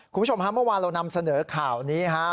คุณผู้ชมฮะเมื่อวานเรานำเสนอข่าวนี้ฮะ